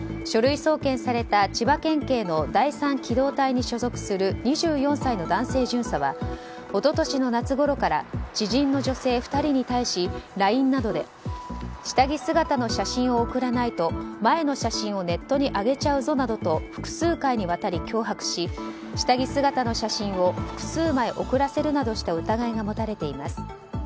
書類送検された千葉県警の第三機動隊に所属する２４歳の男性巡査は一昨年の夏ごろから知人の女性２人に対しＬＩＮＥなどで下着姿の写真を送らないと前の写真をネットに上げちゃうぞなどと複数回にわたり脅迫し下着姿の写真を複数枚送らせるなどした疑いが持たれています。